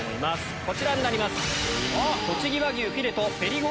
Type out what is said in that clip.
こちらになります。